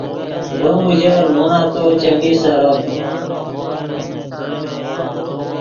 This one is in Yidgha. ڤیم اوژر مو نتو چیمی سرڤد